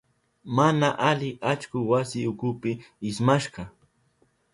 Mana ali allku wasi ukupi ismashka.